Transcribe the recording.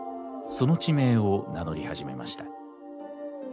その地名を名乗り始めました。